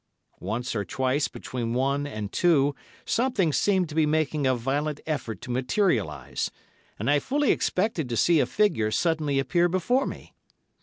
Once or twice between one and two something seemed to be making a violent effort to materialise, and I fully expected to see a figure suddenly appear before me.